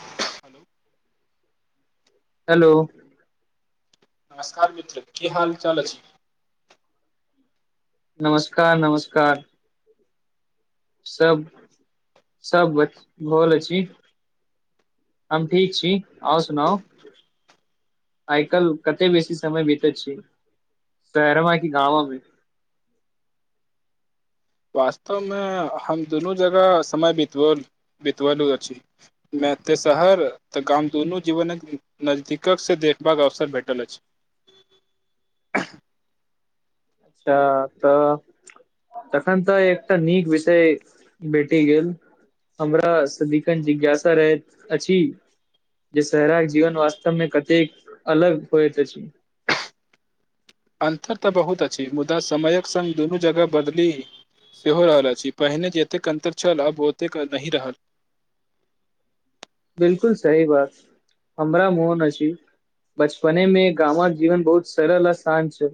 ह हेलो नमस्कार मित्र की हाल चाल छै नमस्कार नमस्कार सभ सभ घल छी हम ठीक छी आउ सुनाउ आइ काल्हि कतेक बेसी समय बीतैत छै शरव की गाँवमे वास्तवमे हम दुनू जगह समय बित बितल अछि एते शहर तऽ गाम दुनू जीवनक नजदीकक से देखबाक अवसर भेटल अछि अच्छा तऽ तखन तऽ एकटा नीक विषय भेटी गेल हमरा सदिकन जिज्ञासा रहैत अछि जे शहराक जीवन वास्तवमे कतेक अलग होइत अछि अन्तर तऽ बहुत अछि मुदा समयक संग्ग दुनू जगह बदली सेहो रहल अछि पहिने जतेक कन्तर छल आब ओतेक नहिही रहल बिलकुल सही बात हमरा मोन अछि बचपने मे गामक जीवन बहुत सरल आशान छै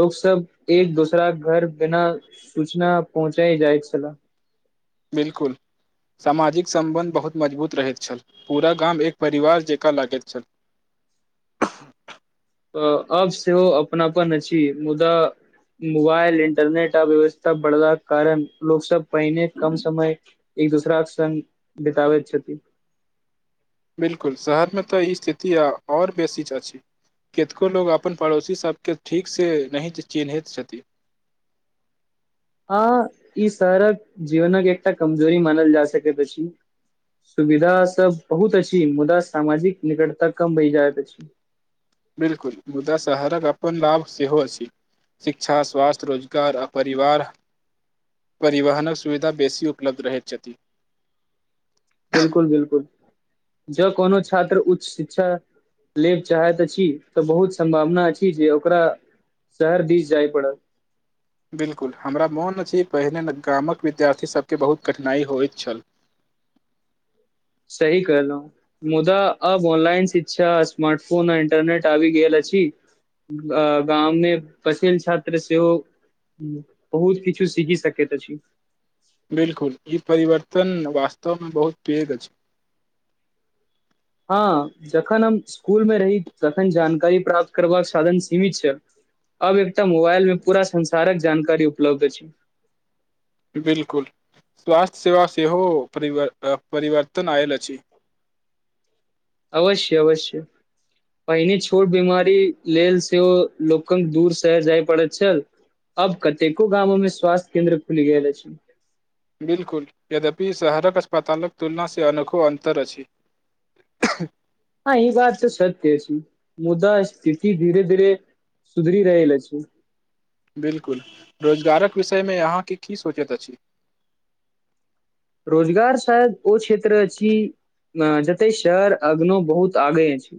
लोक सब एक दोसराक घर बिना सूचना पहुँचा जाइत छले बिलकुल सामाजिक सम्बन्ध बहुत मजबूत रहैत छल पूरा गाम एक परिवार जकाँ लागैत छल अ अब सेहो ओ अपनापन अछि मुदा मोबाइल इंटरनेट अव्यवस्था बढ़ला के कारण लोक सब पहिने कम समय एक दूसराक सङ बितबैत छथि बिलकुल शहरमे तऽ ई स्थिति आऔर बेसी चाची केतको लोग अपन पड़ोसी सबके ठीक से नहि चिन्हैत छथि [inaudible] हँ ई सारा जीवन एकटा कमजोरी मानल जा छै पी सुविधा सब बहुत अछि मुदा सामाजिक निकटता कम बहि जाइत अछि बिलकुल मुदा शहरक अपन लाभ सेहो अछि शिक्षा स्वास्थ्य रोजगार आ परिवार परिवहनक सुविधा बेसी उपलब्ध रहैत छथि बिल्कुल बिल्कुल जँ कोनो छात्र उच्च शिक्षा लेब चाहैत अछि तऽ बहुत सम्भावना छी जे ओकरा शहर दिस जाइ पड़त बिलकुल हमरा मोन छै पहिने गामक विद्यार्थीसभके बहुत कठिनाइ होइत छल ह [inaudible] सही कलहु मुदा अब ऑनलाइन शिक्षा स्मार्ट फोन आ इंटरनेट आबि गेल अछी अ गाममे पसेल छात्र सेहो ह बहुत किछु सीखि सकैत त छी बिलकुल ई परिवर्तन वास्तवमे बहुत पैघ अछि हँ जखन हम स्कुलमे रही तखन जानकारी प्राप्त करबाक साधन सीमित छल आब एकटा मोबाइलमे पूरा संसारक जानकारी उपलब्ध छै बिलकुल स्वास्थ्य सेवा सेहो परिवर्तन आयल अछि अवश्य अवश्य पहिनी छोट बीमारी लेल सेहो लोकंग दूर शहर जाइ पड़ैत छै अब कतेको गामोमें स्वास्थ्य केंन्द्र खुलि गेल अछि बिल्कुल यद्यपि शहरक अस्पतालक तुलना से अनोखो अन्तर अछि [inaudible] हँ ई बात तऽ सत्य अछि मुदा स्थिति धीरे धीरे सुधरी रहील छी बिलकुल रोजगारक विषयमे अहाँके की सोचैत अछि रोजगार शायद ओ क्षेत्र अछि अ जते शहर अग्नो बहुत आगे छै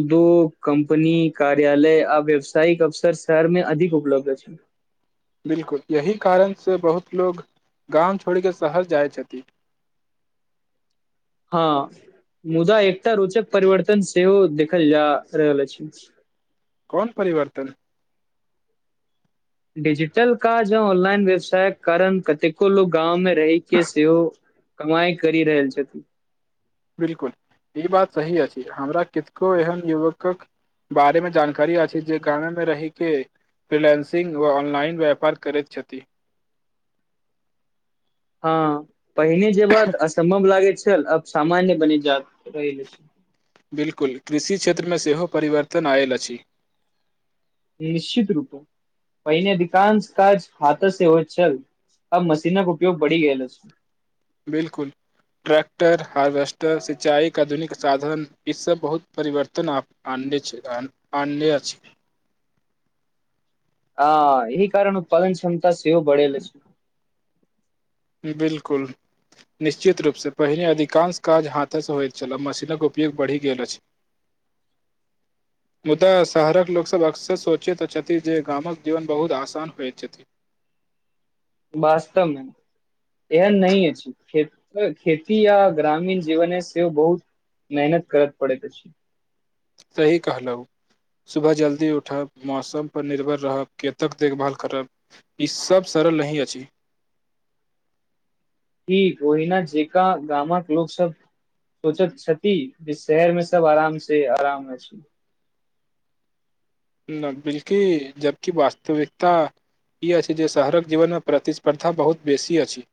उद्योग कम्पनी कार्यालय आ व्यवसायिक अवसर शहरमे अधिक उपलब्ध छै [inaudible] बिलकुल यही कारण से बहुत लोग गाम छोड़ कऽ शहर जाइत छथि हँ मुदा एकटा रोचक परिवर्तन सेहो देखल जा रहल अछि कौन परिवर्तन डिजिटल काज ज ऑनलाइन व्यवसायके कारण कतेको लोक गाँव मे रहैके सेहो कमाइ करित बिलकुल ई बात सही अछि हमरा कितको एहन युवकक बारेमे जानकारी अछि जे गाने मे रहहि के फ्रिलेंसिंग व ऑनलाइन व्यापार करैत छथि [inaudible] हँ पहिने जेब असम्भव लागैत छल अब सामान्य बनि जायत रहिल छै बिल्कुल कृषि क्षेत्रमे सेहो परिवर्तन आयल अछि निश्चित रूपे पहिने अधिकांश काज हाथ से हो चल आ मशीनक उपयोग बढ़ी गल छै बिलकुल ट्रैक्टर हार्वेस्टर सिंचाई के आधुनिक साधन ई सब बहुत परिवर्तन आने छै आ ने छै हा ई कारण उत्पादन क्षमता सेहोव बढ़ेल छै बिलकुल निश्चित रूपसे पहिने अधिकांश काज हाथेसँ होइत छलह मशीनक उपयोग बढ़ि गेल अछि हँ मुदा शहरक लोकसभ अक्सर सोचैत छथिन जे गामक जीवन बहुत आसान होइत छथि वास्तवमे इहन नहि अछि खेती य ग्रामीण जीवने से बहुत मेहनत करत पड़े छै सही कहलहु सुबह जल्दी उठब मौसम पर निर्भर रहब खेत तक देखभाल करब ई सब करल नहि अछि कोहिना जेका गामक लोक सब सोचत क्षति जे शहरमे सब आराम से आराममे छी न बिलकि जबकि वास्तविकता ई अछि जे शहरक जीवनमे प्रतिस्पर्धा बहुत बेसी अछि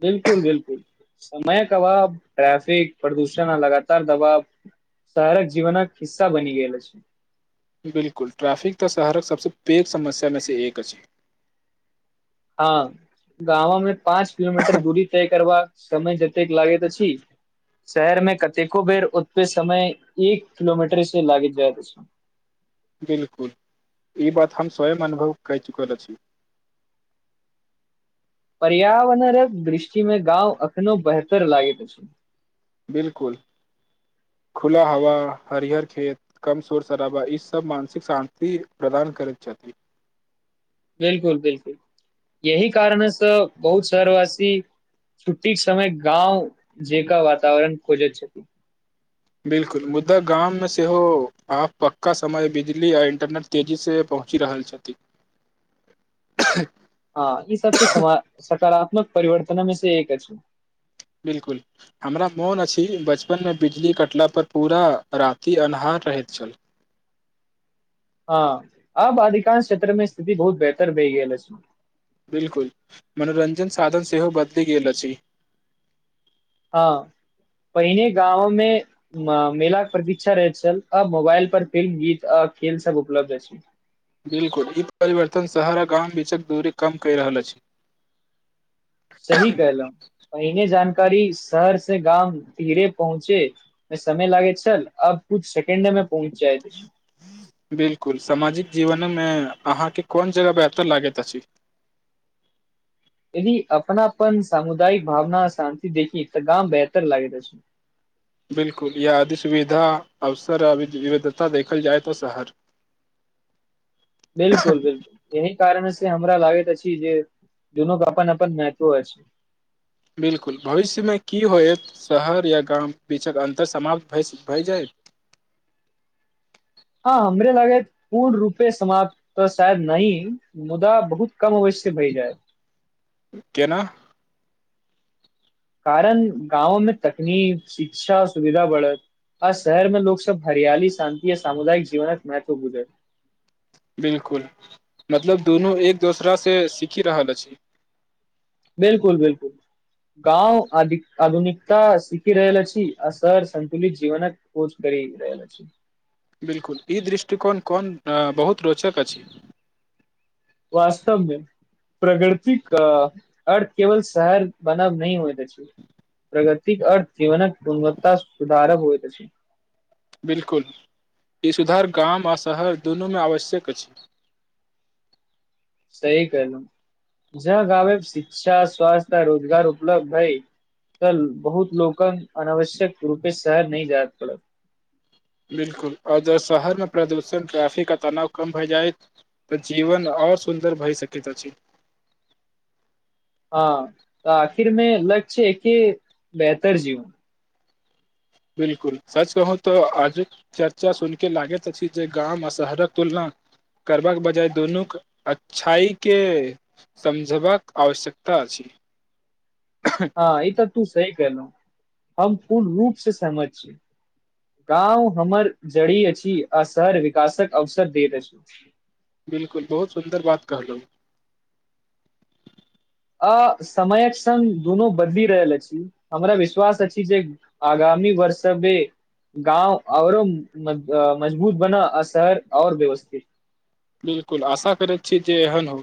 बिलकुल बिलकुल समय कबाब ट्रैफिक प्रदूषण लगातार दबाव शाहरक जीवनक हिस्सा बनि गेलल छै बिलकुल ट्रैफिक तऽ शहरक सबसँ पैघ समस्या मे से एक अछिी हँ गाम मे पाँच किलोमीटर दूरी तय कर समय जत लागे त छी शहर मे कतेको बेर ओत पे समय एक किलोमीटर से लागि जाय रहल छै हँ बिलकुल ई बात हम स्वयं अनुभव कर चुकल छी हँ पर्यावरणक दृष्टिमे गाँव एखनो बेहतर लागैत अछि बिलकुल खुला हवा हरिहर खेत कम शोर शराबा ई सब मानसिक शान्ति प्रदान करैत छथिाती बिलकुल बिलकुल यह कारणसँ बहुत शहरवासी छूटी समय गाँव जेका वातवरण खोजैत बिलकुल मुद्दा गाँंव मे सेहो आब पक्का समय बिजी या इंटरनेट तेजी से पहु पहुँचि रहल छथिन ह हँ हँ ई सबसँ सकारात्मक परिवर्तन मे से एक अछि छै बिलकुल हमरा मोन अछि बचपन मे बिजली कटला पर पूरा राति अन्हार रहय छै हँ हँ अब अधिकांश क्षेत्र में स्थिति बहुत बेहतर भए गेलै छै बिलकुल मनोरञ्जन साधन सेहो बदलि गेल अछि हँ पहिने गाँव मे मेलाक के प्रतीक्षा रहैत छल अ मोबाइल पर फिल्म गीत खेल सब उपलब्ध ह छै बिलकुल ई परिवर्तन शहर आ गाम बीचक दूरी कम कहि रहल अछि सही कहलहु पहिने जान करी शहर से गाम धीरे पहुँचे मे समय लागे छलल अब कुछ सेकंड मे पहुँच जाइत अछि बिल्कुल सामाजिक जीवन अहाँके कोन जगह पर अत लागैत अछि यदि अपनापन सामुदायिक भावना शान्ति देखी तऽ गाम बेहतर लागेत अछि बिल्कुल य अधि सुविधा अवसर विविधता देखल जाय तऽ शहर बिल्कुल बिल्कुल यहि कारण हमरा लागैत अछि जे जून के अपन अपन महत्व अछ बिल्कुल भविष्यमे की होयत शहर या गाम बीचक अन्तर समाप्त भ भए जायत [inaudible] हाँ हमरे लागे पूर्ण रूपे समाप्त तऽ शायद नयि मुदा बहुत कम अव से है जाय केना कारण गाँवोमे तकनीक शिक्षा सुविधा बढ़त आ शहर में लोक सब हरियाली शान्ति य सामुदायिक जीवनक महत्व बुझल बिल्कुल मतलब दुनू एक दोसरासे सीखी रहल अछि बिल्कुल बिल्कुल गाँव आ आधुनिकता सीखि रहल अछी शहर संन्तुलित जीवनक पहुच अछी बिल्कुल ई दृष्टिकोण कोन बहुत रोचक अछि वास्तवमे प्रगृतिक अर्थ केवल शहर बनाब न होइत अछि प्रगतिक अर्थ जीवनक गुणवत्ता सुधारक होइत अछि बिल्कुल ई सुधार गाम आ शहर दुनूमे आवश्यक अछि सही कहलौ ज गामे शिक्षा स्वस्थ्य रोजगार उपलब्ध हइ तऽ बहुत लोकक अनावश्यक रूपे शहर नहि जाय पड़त बिल्कुल अगर शहरमे प्रदूषण ट्राफिक आ तनाव कम भए जाए तऽ जीवन आ ओर सुन्दर भय सकैत अछि [inaudible] हाँ आखिर में लक्ष्य कि बेहतर जीवन बिल्कुल सच कहू तऽ आज चर्चा सुनिक लागैत अछि जे गाम आ शहरक तुलना करबाक बजाय दुनूके अच्छाई के समझबाक आवश्यकता छी हाँ ई तऽ तू सही कहलौ हम पूर्ण रूप से सहमत छी गाँव हमर जड़ी अछि आ शहर विकासक अवसर दैत अछि बिल्कुल बहुत सुन्दर बात कहलौ अ समयक संग दुनू बदलि रहल अछि हमरा विश्वास अछि जे आगामी वर्ष बे गाँव औरो मजबूत बना अ शहर और व्यवस्थित बिल्कुल आशा करैैत छी जे एहन हो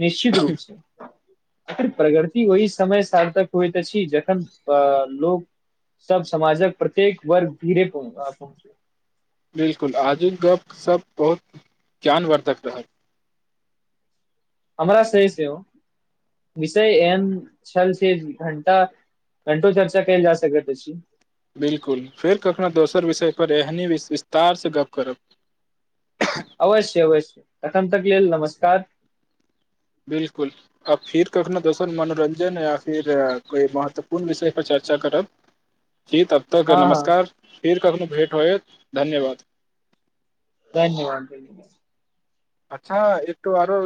निश्चित रूप से अखर प्रगति ओहि समय सार्थक होइत ऽ अछि जखन अ लोक सब समाजक प्रत्येक वर्ग धीरेहु पहुँचे बिल्कुल आजुक गप सप बहुत ज्ञानवर्द्धक रहल हमरा स सेहो ओ विषय एन छल छै घंटा घंटो चर्चा केल जा सकइत अछी बिल्कुल फेर कखना दोसर विषय पर एहनी वि विस्तार से गप करब अवश्य अवश्य एखन तक लेल नमस्कार बिल्कुल आब फिर क अपना दोसर मनोरञ्जन या फिर कोई महत्वपूर्ण विषय पर चर्चा चर्चा करब ह जी तब तक नमस्कार फिर कखनो भेट होए धन्यवाद धन्यवाद धन्यवाद अच्छा एक तो आरो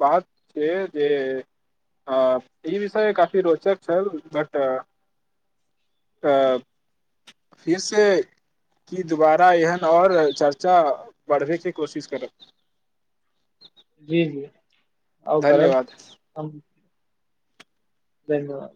बात छै जे ह ई विषय काफी रोचक छल बट आ फीरसँ कि दुबारा एहन आऔर चर्चा बढ़ेके कोशिश करब जी जी आउ करब धन्यवाद हम धन्यवाद